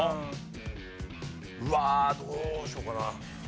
うわどうしようかな。